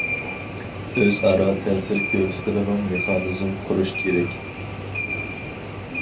ئۆز ئارا تەسىر كۆرسىتىدىغان مېخانىزم قۇرۇش كېرەك.